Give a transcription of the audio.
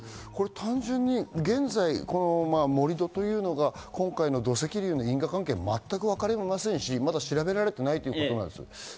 現在、盛り土というのが今回の土石流の因果関係が分りませんし、まだ調べられていないということです。